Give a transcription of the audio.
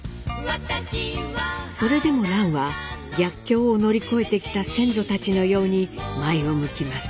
それでも蘭は逆境を乗り越えてきた先祖たちのように前を向きます。